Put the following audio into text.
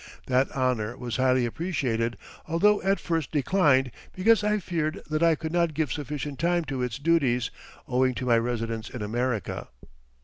That honor was highly appreciated, although at first declined, because I feared that I could not give sufficient time to its duties, owing to my residence in America.